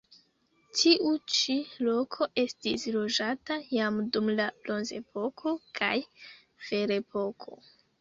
Tiu ĉi loko estis loĝata jam dum la bronzepoko kaj ferepoko.